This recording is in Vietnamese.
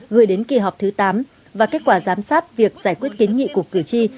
gửi đến kỳ họp thứ tám và kết quả giám sát việc giải quyết kiến nghị của cử tri